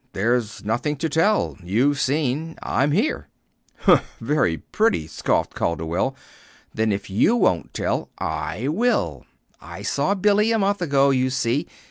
"There's nothing to tell. You've seen. I'm here." "Humph! Very pretty," scoffed Calderwell. "Then if you won't tell, I will. I saw Billy a month ago, you see.